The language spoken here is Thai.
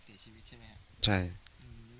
มันน่าจะปกติบ้านเรามีก้านมะยมไหม